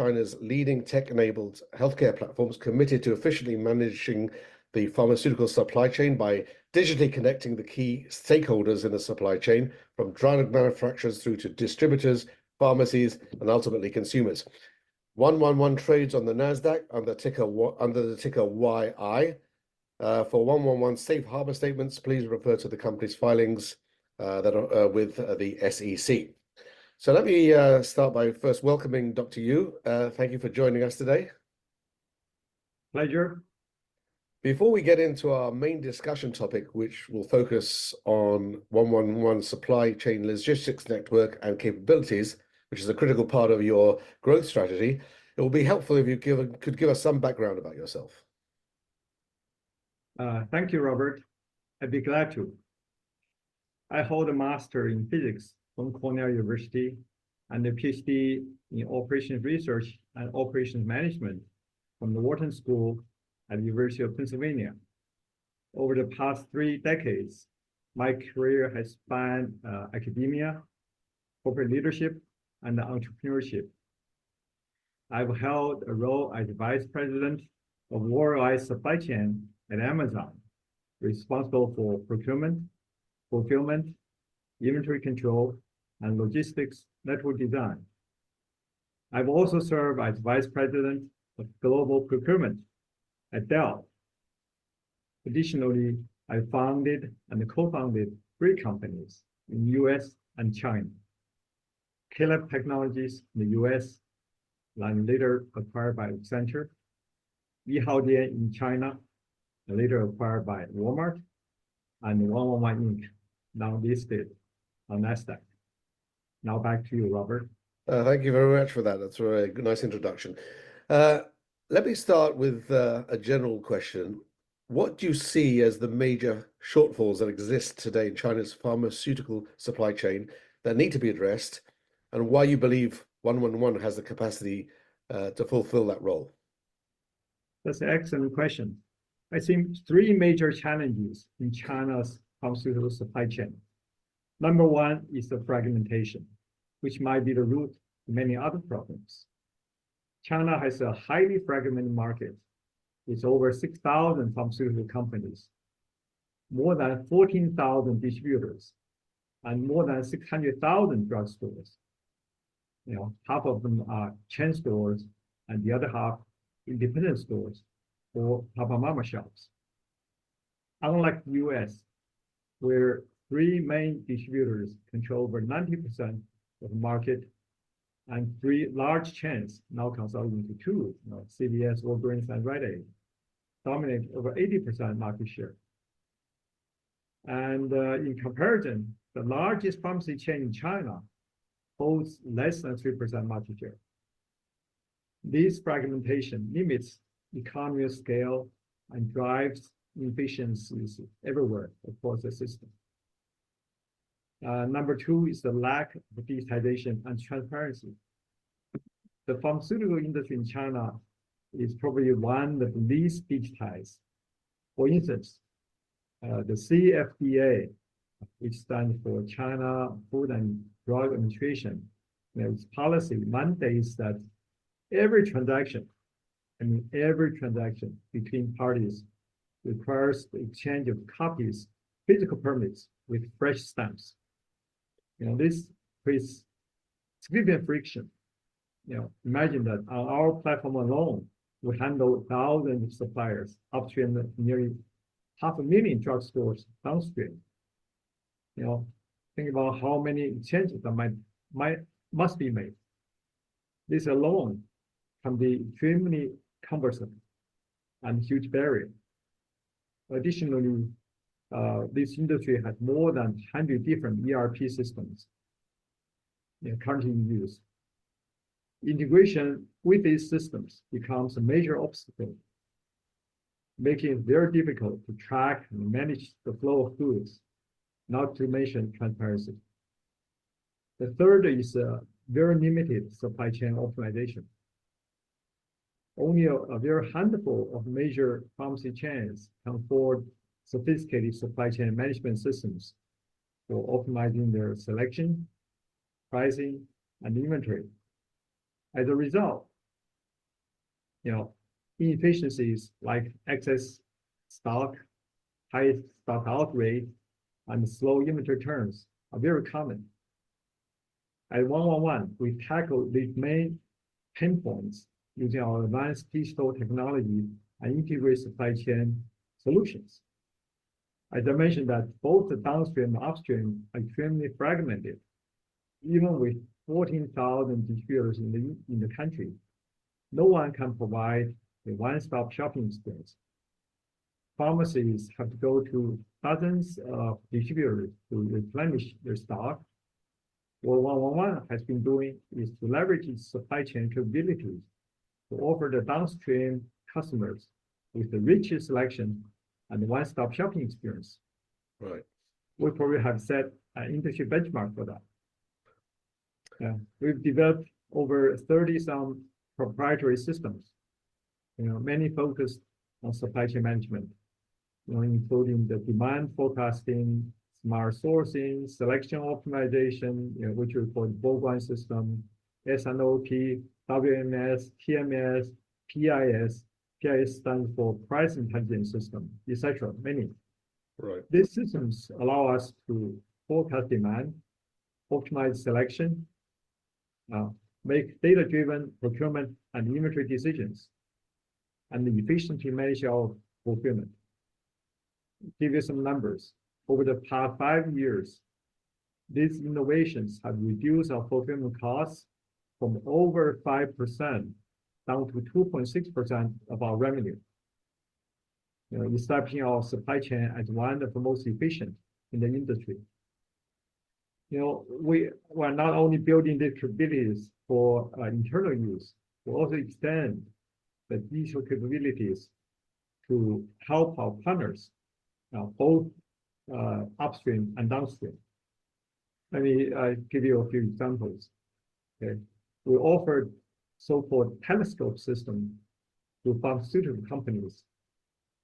China's leading tech-enabled healthcare platform committed to efficiently managing the pharmaceutical supply chain by digitally connecting the key stakeholders in the supply chain, from drug manufacturers through to distributors, pharmacies, and ultimately consumers. 111 trades on the Nasdaq under the ticker YI. For 111's safe harbor statements, please refer to the company's filings with the SEC. So let me start by first welcoming Dr. Yu. Thank you for joining us today. Pleasure. Before we get into our main discussion topic, which will focus on 111's supply chain logistics network and capabilities, which is a critical part of your growth strategy, it will be helpful if you could give us some background about yourself. Thank you, Robert. I'd be glad to. I hold a master's in physics from Cornell University and a PhD in operations research and operations management from the Wharton School at the University of Pennsylvania. Over the past three decades, my career has spanned academia, corporate leadership, and entrepreneurship. I've held a role as vice president of worldwide supply chain at Amazon, responsible for procurement, fulfillment, inventory control, and logistics network design. I've also served as vice president of global procurement at Dell. Additionally, I founded and co-founded three companies in the U.S. and China: Caleb Technologies in the U.S., later acquired by Accenture, Yihaodian in China, later acquired by Walmart, and 111, Inc., now listed on Nasdaq. Now, back to you, Robert. Thank you very much for that. That's a very nice introduction. Let me start with a general question. What do you see as the major shortfalls that exist today in China's pharmaceutical supply chain that need to be addressed, and why you believe 111 has the capacity to fulfill that role? That's an excellent question. I see three major challenges in China's pharmaceutical supply chain. Number one is the fragmentation, which might be the root of many other problems. China has a highly fragmented market with over 6,000 pharmaceutical companies, more than 14,000 distributors, and more than 600,000 drug stores. Half of them are chain stores, and the other half independent stores or mom-and-pop shops. Unlike the U.S., where three main distributors control over 90% of the market and three large chains, now consolidating into two, CVS, Walgreens, and Rite Aid, dominate over 80% market share, and in comparison, the largest pharmacy chain in China holds less than 3% market share. This fragmentation limits economy of scale and drives inefficiencies everywhere across the system. Number two is the lack of digitization and transparency. The pharmaceutical industry in China is probably one of the least digitized. For instance, the CFDA, which stands for China Food and Drug Administration, its policy mandates that every transaction, I mean, every transaction between parties requires the exchange of copies, physical permits with fresh stamps. This creates significant friction. Imagine that our platform alone would handle thousands of suppliers, up to nearly 500,000 drug stores downstream. Think about how many changes that must be made. This alone can be extremely cumbersome and a huge barrier. Additionally, this industry has more than 100 different ERP systems currently in use. Integration with these systems becomes a major obstacle, making it very difficult to track and manage the flow of goods, not to mention transparency. The third is very limited supply chain optimization. Only a very handful of major pharmacy chains can afford sophisticated supply chain management systems for optimizing their selection, pricing, and inventory. As a result, inefficiencies like excess stock, high stock-out rate, and slow inventory turns are very common. At 111, we tackle these main pain points using our advanced Keystone Technology and integrate supply chain solutions. As I mentioned, both the downstream and upstream are extremely fragmented. Even with 14,000 distributors in the country, no one can provide a one-stop shopping experience. Pharmacies have to go to dozens of distributors to replenish their stock. What 111 has been doing is to leverage its supply chain capabilities to offer the downstream customers with the richest selection and one-stop shopping experience. Right. We probably have set an industry benchmark for that. We've developed over 30-some proprietary systems, mainly focused on supply chain management, including the demand forecasting, smart sourcing, selection optimization, which we call the Boyi system, S&OP, WMS, TMS, PIS. PIS stands for Price Intelligence System, et cetera, many. Right. These systems allow us to forecast demand, optimize selection, make data-driven procurement and inventory decisions, and efficiently manage our procurement. Give you some numbers. Over the past five years, these innovations have reduced our procurement costs from over 5% down to 2.6% of our revenue, establishing our supply chain as one of the most efficient in the industry. We are not only building these capabilities for internal use. We also extend the digital capabilities to help our partners, both upstream and downstream. Let me give you a few examples. We offer so-called Telescope systems to pharmaceutical companies,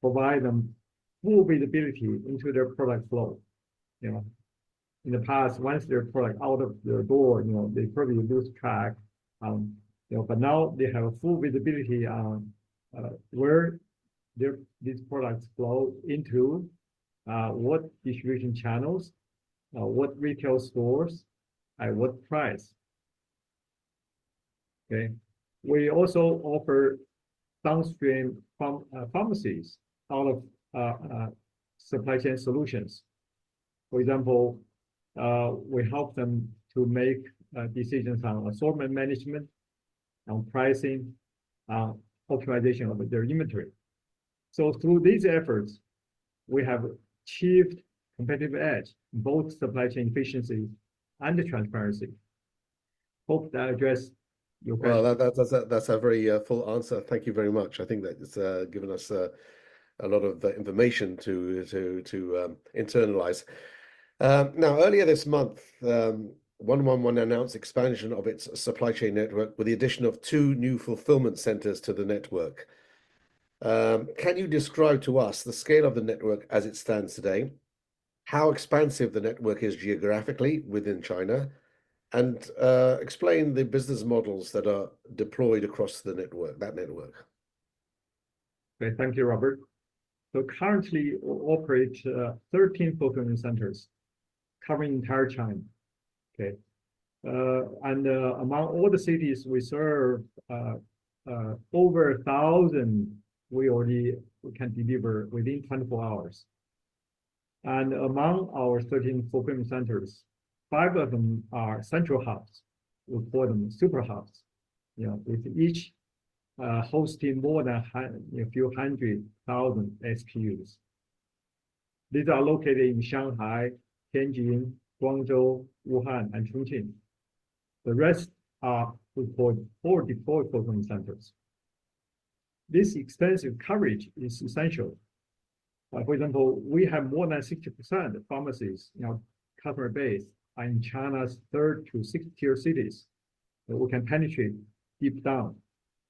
provide them full visibility into their product flow. In the past, once their product was out of their door, they probably lose track. But now they have full visibility on where these products flow into, what distribution channels, what retail stores, and what price. We also offer downstream pharmacies a host of supply chain solutions. For example, we help them to make decisions on assortment management, on pricing, optimization of their inventory. So through these efforts, we have achieved a competitive edge in both supply chain efficiency and transparency. Hope that addressed your question. That's a very full answer. Thank you very much. I think that it's given us a lot of information to internalize. Now, earlier this month, 111 announced expansion of its supply chain network with the addition of two new fulfillment centers to the network. Can you describe to us the scale of the network as it stands today, how expansive the network is geographically within China, and explain the business models that are deployed across that network? Thank you, Robert. Currently, we operate 13 fulfillment centers covering the entire China. Among all the cities we serve, over 1,000 we can deliver within 24 hours. Among our 13 fulfillment centers, five of them are central hubs. We call them super hubs, with each hosting more than a few hundred thousand SKUs. These are located in Shanghai, Tianjin, Guangzhou, Wuhan, and Chongqing. The rest, we call forward-deployed fulfillment centers. This extensive coverage is essential. For example, we have more than 60% of pharmacies in our customer base are in China's third- to sixth-tier cities. We can penetrate deep down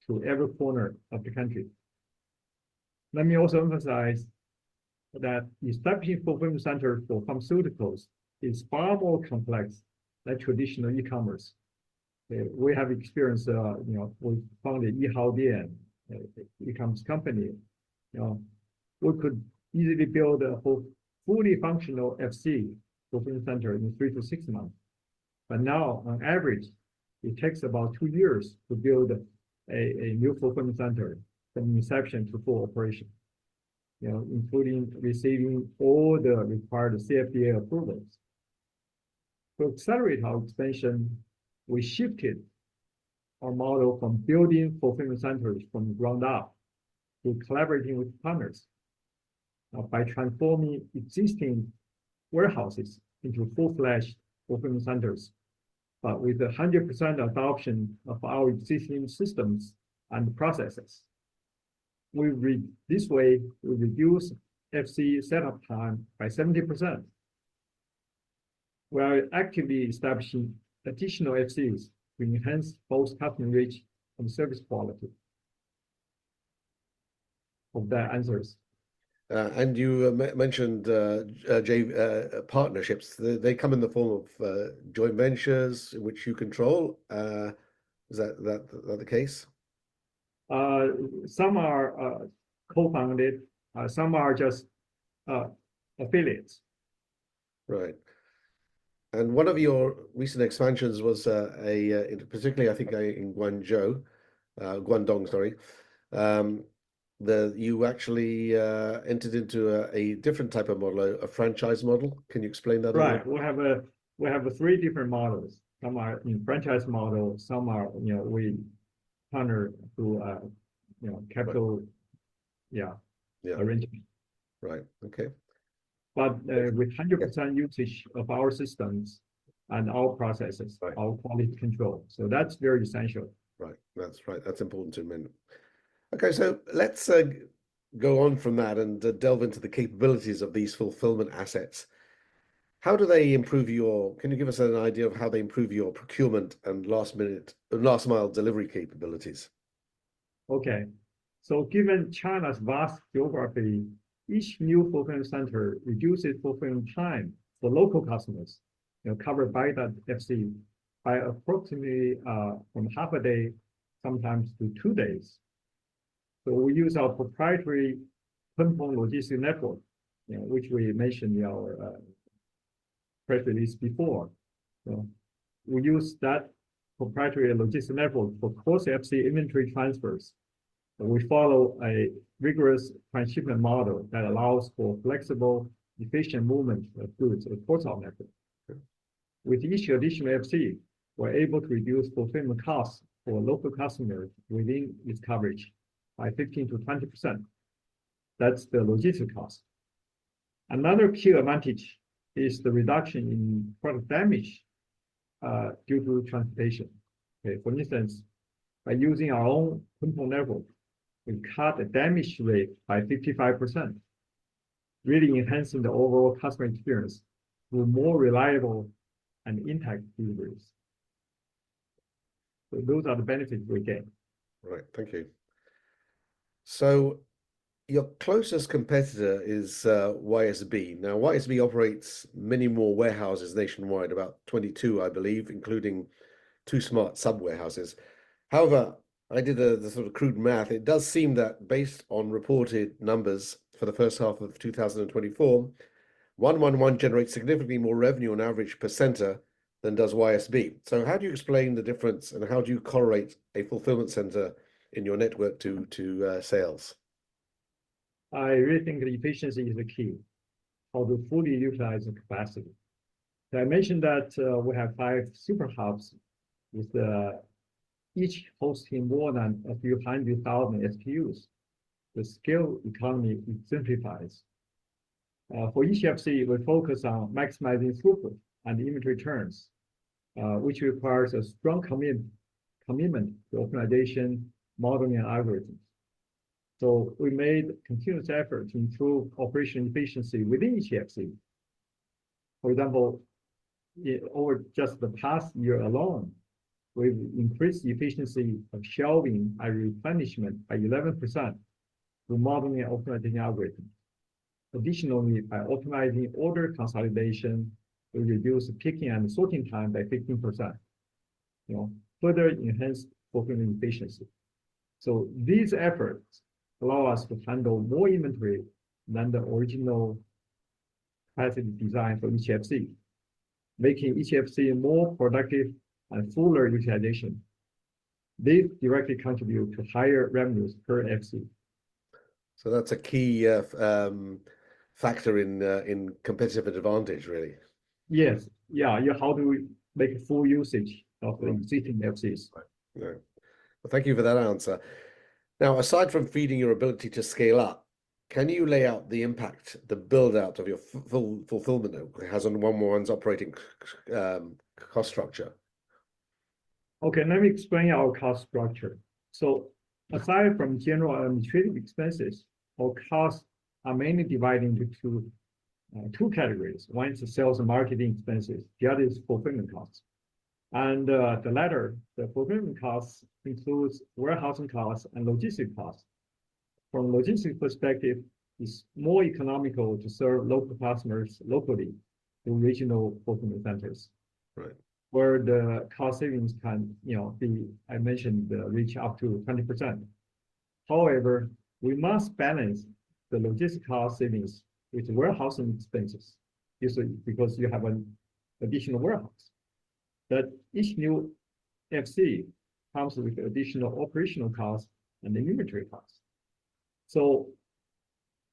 to every corner of the country. Let me also emphasize that establishing fulfillment centers for pharmaceuticals is far more complex than traditional e-commerce. We have experience with Yihaodian, an e-commerce company. We could easily build a fully functional FC fulfillment center in three to six months. But now, on average, it takes about two years to build a new fulfillment center from inception to full operation, including receiving all the required CFDA approvals. To accelerate our expansion, we shifted our model from building fulfillment centers from the ground up to collaborating with partners by transforming existing warehouses into full-fledged fulfillment centers, but with 100% adoption of our existing systems and processes. This way, we reduce FC setup time by 70%. We are actively establishing additional FCs to enhance both customer reach and service quality. Hope that answers. And you mentioned partnerships. They come in the form of joint ventures which you control. Is that the case? Some are co-founded. Some are just affiliates. Right. And one of your recent expansions was particularly, I think, in Guangzhou, Guangdong, sorry. You actually entered into a different type of model, a franchise model. Can you explain that a little bit? Right. We have three different models. Some are in franchise model. Some are we partner through a capital arrangement. Right. Okay. But with 100% usage of our systems and our processes, our quality control. So that's very essential. Right. That's right. That's important to remember. Okay. So let's go on from that and delve into the capabilities of these fulfillment assets. How do they improve your capabilities? Can you give us an idea of how they improve your procurement and last-mile delivery capabilities? Okay, so given China's vast geography, each new fulfillment center reduces fulfillment time for local customers covered by that FC by approximately from half a day, sometimes to two days. So we use our proprietary Ping Pong Logistics Network, which we mentioned in our press release before. We use that proprietary logistics network for cross FC inventory transfers. We follow a rigorous transshipment model that allows for flexible, efficient movement of goods across our network. With each additional FC, we're able to reduce fulfillment costs for local customers within its coverage by 15%-20%. That's the logistics cost. Another key advantage is the reduction in product damage due to transportation. For instance, by using our own Ping Pong network, we cut the damage rate by 55%, really enhancing the overall customer experience through more reliable and intact deliveries, so those are the benefits we get. Right. Thank you. So your closest competitor is YSB. Now, YSB operates many more warehouses nationwide, about 22, I believe, including two smart sub-warehouses. However, I did the sort of crude math. It does seem that based on reported numbers for the first half of 2024, 111 generates significantly more revenue on average per center than does YSB. So how do you explain the difference, and how do you correlate a fulfillment center in your network to sales? I really think the efficiency is the key of the fully utilized capacity. I mentioned that we have five super hubs with each hosting more than a few hundred thousand SKUs. The scale economy exemplifies. For each FC, we focus on maximizing throughput and inventory turns, which requires a strong commitment to optimization modeling and algorithms. So we made continuous efforts to improve operational efficiency within each FC. For example, over just the past year alone, we've increased the efficiency of shelving and replenishment by 11% through modeling and optimization algorithms. Additionally, by optimizing order consolidation, we reduce picking and sorting time by 15%, further enhancing fulfillment efficiency. So these efforts allow us to handle more inventory than the original capacity designed for each FC, making each FC more productive and fuller utilization. These directly contribute to higher revenues per FC. So that's a key factor in competitive advantage, really. Yes. Yeah. How do we make full usage of the existing FCs? Right. Thank you for that answer. Now, aside from feeding your ability to scale up, can you lay out the impact, the build-out of your fulfillment network has on 111's operating cost structure? Okay. Let me explain our cost structure so aside from general administrative expenses, our costs are mainly divided into two categories. One is the sales and marketing expenses. The other is fulfillment costs and the latter, the fulfillment costs includes warehousing costs and logistics costs. From a logistics perspective, it's more economical to serve local customers locally through regional fulfillment centers, where the cost savings can be, I mentioned, reach up to 20%. However, we must balance the logistics cost savings with warehousing expenses because you have an additional warehouse but each new FC comes with additional operational costs and inventory costs so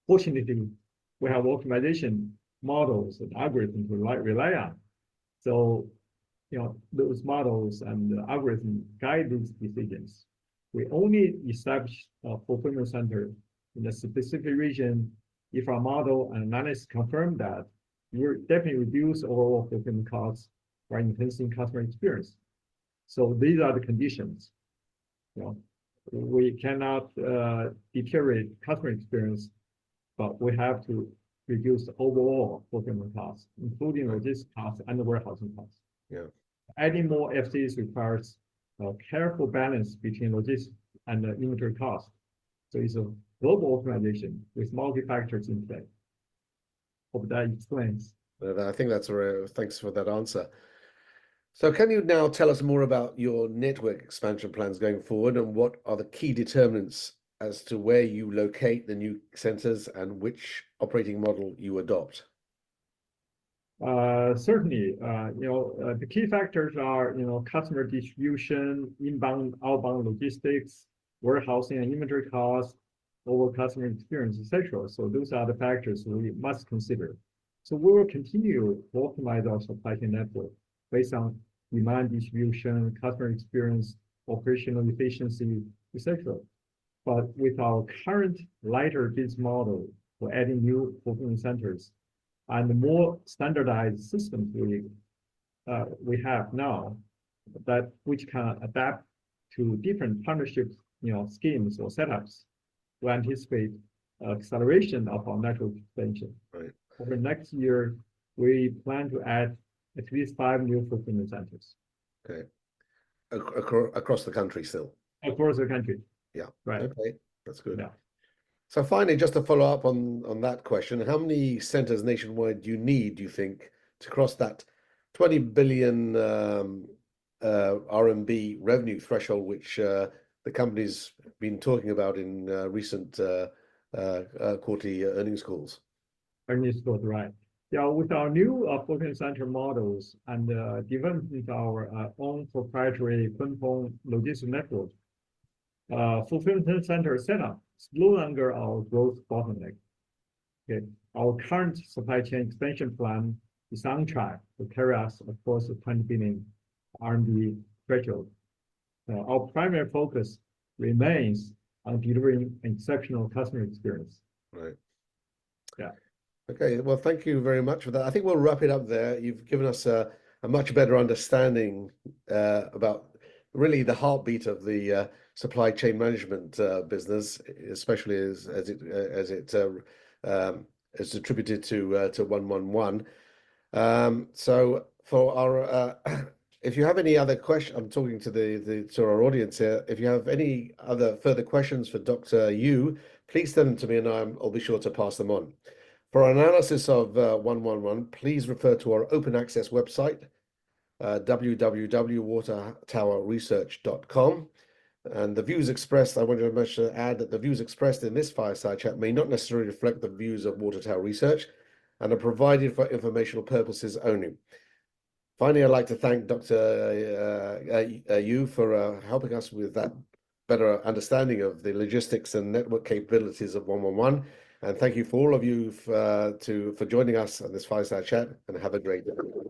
fortunately, we have optimization models and algorithms we rely on so those models and the algorithm guide these decisions. We only establish a fulfillment center in a specific region if our model and analysts confirm that we will definitely reduce overall fulfillment costs by enhancing customer experience. So these are the conditions. We cannot deteriorate customer experience, but we have to reduce overall fulfillment costs, including logistics costs and the warehousing costs. Adding more FCs requires a careful balance between logistics and inventory costs. So it's a global organization with multi-factors in play. Hope that explains. I think that's a real thanks for that answer. So can you now tell us more about your network expansion plans going forward, and what are the key determinants as to where you locate the new centers and which operating model you adopt? Certainly. The key factors are customer distribution, inbound, outbound logistics, warehousing and inventory costs, overall customer experience, et cetera. So those are the factors we must consider. So we will continue to optimize our supply chain network based on demand distribution, customer experience, operational efficiency, et cetera. But with our current lighter-based model for adding new fulfillment centers and the more standardized systems we have now, which can adapt to different partnership schemes or setups, we anticipate acceleration of our network expansion. Over the next year, we plan to add at least five new fulfillment centers. Okay. Across the country still? Across the country. Yeah. Okay. That's good. So finally, just to follow up on that question, how many centers nationwide do you need, do you think, to cross that 20 billion RMB revenue threshold, which the company's been talking about in recent quarterly earnings calls? Earnings calls, right. Yeah. With our new fulfillment center models and developing our own proprietary Ping Pong Logistics Network, fulfillment center setup is no longer our growth bottleneck. Our current supply chain expansion plan is on track to carry us across the 20 billion RMB threshold. Our primary focus remains on delivering an exceptional customer experience. Right. Yeah. Okay. Thank you very much for that. I think we'll wrap it up there. You've given us a much better understanding about really the heartbeat of the supply chain management business, especially as it's attributed to 111. If you have any other questions, I'm talking to our audience here, if you have any other further questions for Dr. Yu, please send them to me, and I'll be sure to pass them on. For analysis of 111, please refer to our open access website, www.watertowerresearch.com. The views expressed, I want to add that the views expressed in this fireside chat may not necessarily reflect the views of Water Tower Research and are provided for informational purposes only. Finally, I'd like to thank Dr. Yu for helping us with that better understanding of the logistics and network capabilities of 111. Thank you for all of you for joining us on this fireside chat, and have a great day.